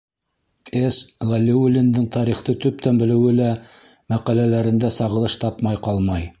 С. Ғәлиуллиндың тарихты төптән белеүе лә мәҡәләләрендә сағылыш тапмай ҡалмай.